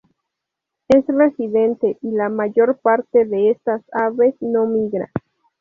Es residente, y la mayor parte de estas aves no migra.